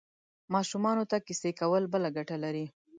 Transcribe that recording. ماشومانو ته کیسې کول بله ګټه لري.